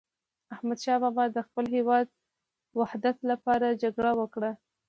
احمد شاه بابا د خپل هیواد د وحدت لپاره جګړه وکړه.